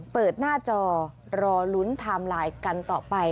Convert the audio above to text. เปิดหน้าจอรอลุ้นไทม์ไลน์กันต่อไป